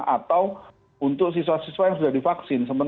atau untuk siswa siswa yang sudah divaksin